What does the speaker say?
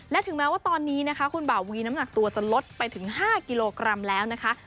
และถึงแม้ว่าตอนนี้นะคะคุณบ่าวีน้ำหนักตัวจะลดไปถึง๕กิโลกรัมแล้วนะคะ